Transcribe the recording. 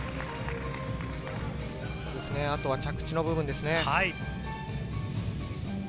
あとは着地の部分ですね。